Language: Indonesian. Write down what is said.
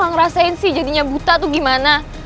lo ga ngerasain sih jadinya buta tuh gimana